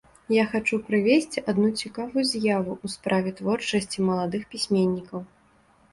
Я хачу прывесці адну цікавую з'яву ў справе творчасці маладых пісьменнікаў.